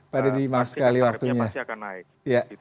pak deddy maaf sekali waktunya